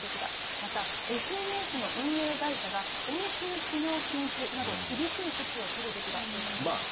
また、ＳＮＳの運営会社が、永久使用禁止など、厳しい措置を取るべきだとおっしゃっています。